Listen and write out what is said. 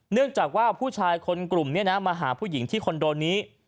เนื่องจากว่าผู้ชายคนกลุ่มนี้นะมาหาผู้หญิงที่คอนโดนี้